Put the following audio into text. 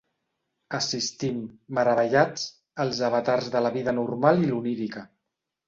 Assistim, meravellats, als avatars de la vida normal i l'onírica.